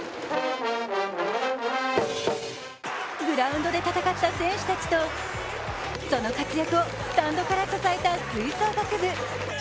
グラウンドで戦った選手たちとその活躍をスタンドから支えた吹奏楽部。